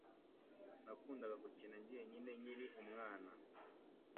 Nakundaga gukina njyenyine nkiri umwana.